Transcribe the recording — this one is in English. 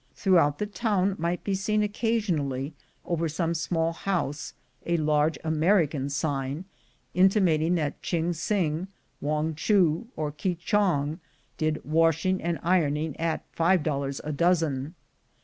Throughout the town might be seen occasionally over some small house a large American sign, intimating that Ching Sing, Wong Choo, or Ki chong did washing and iron ing at five dollars a dozen.